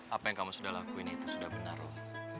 apa yang kamu sudah lakuin itu sudah benar om